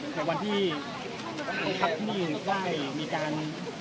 ในวันที่คุณพักนี่ฝ่ายมีการ